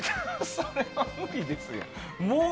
それは無理ですやん。